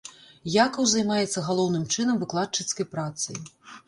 Якаў займаецца галоўным чынам выкладчыцкай працай.